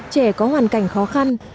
trẻ có hoàn cảnh khó khăn